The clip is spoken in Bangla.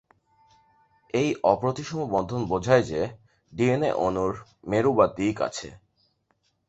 এই অপ্রতিসম বন্ধন বোঝায় যে ডিএনএ অণুর মেরু বা দিক আছে।